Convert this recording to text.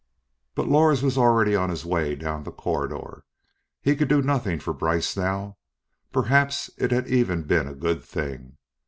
But Lors was already on his way down the corridor. He could do nothing for Brice now ... perhaps it had even been a good thing.